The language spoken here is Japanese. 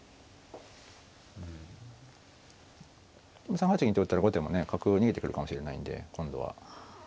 ３八銀と打ったら後手もね角逃げてくるかもしれないんで今度は。